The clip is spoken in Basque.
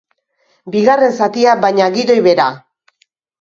Bigarren zatia, baina gidoi bera.